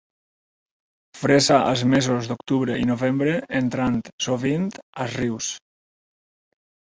Fresa als mesos d'octubre i novembre entrant, sovint, als rius.